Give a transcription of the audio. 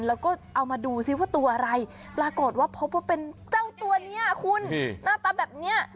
แล้วก็เอามาดูซิว่าตัวอะไรปรากฏว่าพบว่าเป็นเจ้าตัวนี้คุณหน้าตาแบบนี้